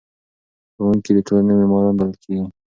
ښوونکي د ټولنې معماران بلل کیږي.